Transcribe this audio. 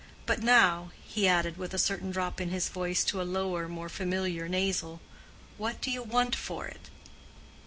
But now," he added, with a certain drop in his voice to a lower, more familiar nasal, "what do you want for it?"